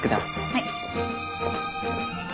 はい。